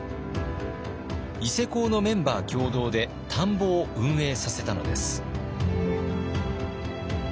伊勢講のメンバー共同で田んぼを運営させたのです。